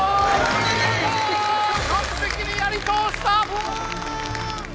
完璧にやりとおした！